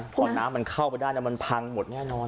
พอน้ำมันเข้าไปได้มันพังหมดแน่นอน